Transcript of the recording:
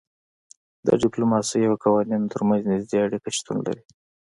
د ډیپلوماسي او قوانینو ترمنځ نږدې اړیکه شتون لري